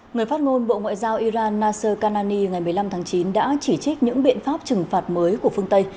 người phát ngôn bộ ngoại giao iran nasser kanani ngày một mươi năm tháng chín đã chỉ trích những biện pháp trừng phạt mới của phương tây